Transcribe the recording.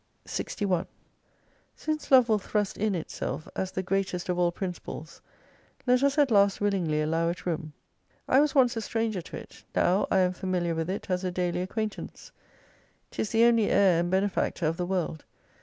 61 Since Love will thrust in itself as the greatest of all principles, let us at last willingly allow it room. I was once a stranger to it, now I am familiar with it as a daily acquaintance. 'Tis the only heir and benefactor of the world.